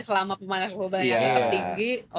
selama pemanasan global yang tertinggi